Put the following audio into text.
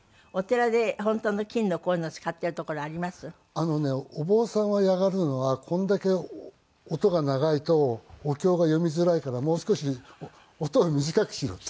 あのねお坊さんが嫌がるのはこれだけ音が長いとお経が読みづらいからもう少し音を短くしろって。